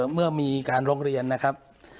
เมื่อมีการร้องเรียนนะครับ